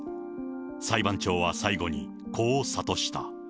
裁判長は最後にこう諭した。